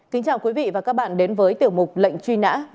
kính chào quý vị và các bạn đến với tiểu mục lệnh truy nã